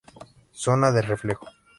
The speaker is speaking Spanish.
Zona de reflejo.